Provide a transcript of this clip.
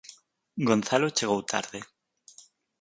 Gonzalo chegou tarde